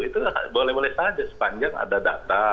itu boleh boleh saja sepanjang ada data